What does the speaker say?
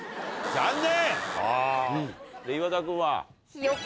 残念！